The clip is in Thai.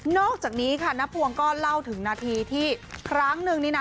อกจากนี้ค่ะน้าพวงก็เล่าถึงนาทีที่ครั้งนึงนี่นะ